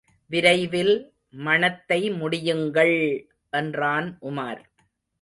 விரைவில் மணத்தை முடியுங்கள்! என்றான் உமார்.